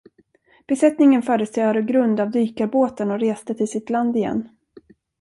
Besättningen fördes till Öregrund av dykarbåten och reste till sitt land igen.